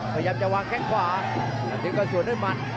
พยายามจะวางแค่งขวานัทธิพย์ก็ส่วนให้มัน